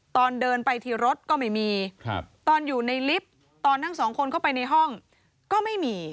ตอนเดินไปที่รถก็ไม่มีตอนอยู่ในลิฟต์ตอนทั้งสองคนเข้าไปในห้องก็ไม่มี